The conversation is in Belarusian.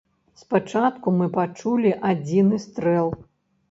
Спачатку мы пачулі адзіны стрэл.